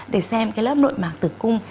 để xem cái lớp nội mạc tử cung